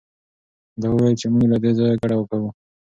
دوی وویل چې موږ له دې ځایه کډه کوو.